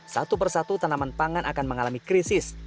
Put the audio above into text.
satu persatu tanaman pangan akan mengalami krisis